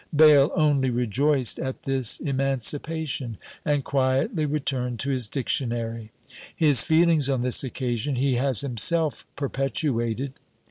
Bayle only rejoiced at this emancipation, and quietly returned to his Dictionary. His feelings on this occasion he has himself perpetuated.